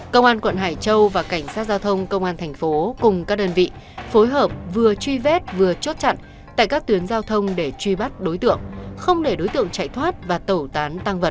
công an quận hải châu và cảnh sát giao thông công an thành phố cùng các đơn vị phối hợp vừa truy vết vừa chốt chặn tại các tuyến giao thông để truy bắt đối tượng không để đối tượng chạy thoát và tẩu tán tăng vật